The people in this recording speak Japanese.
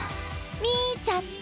見ちゃった！